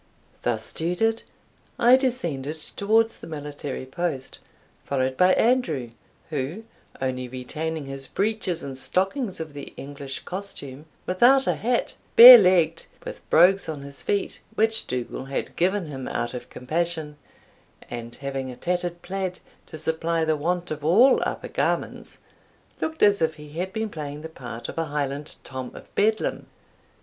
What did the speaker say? Thus tutored, I descended towards the military post, followed by Andrew, who, only retaining his breeches and stockings of the English costume, without a hat, bare legged, with brogues on his feet, which Dougal had given him out of compassion, and having a tattered plaid to supply the want of all upper garments, looked as if he had been playing the part of a Highland Tom of Bedlam.